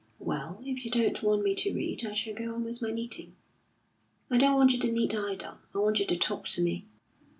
"Well, if you don't want me to read, I shall go on with my knitting." "I don't want you to knit either. I want you to talk to me."